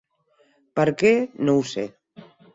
Per què, no ho sé.